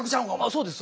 あそうです